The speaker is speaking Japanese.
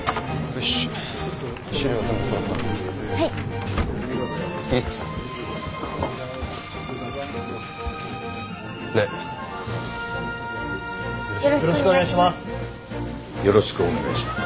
よろしくお願いします。